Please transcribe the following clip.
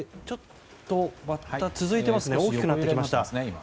ちょっとまた大きくなってきました。